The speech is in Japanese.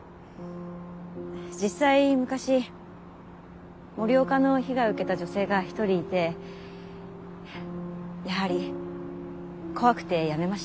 実際昔森岡の被害を受けた女性が１人いてやはり怖くてやめました。